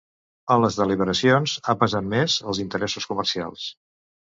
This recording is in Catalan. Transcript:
En les deliberacions, ha pesat més els interessos comercials.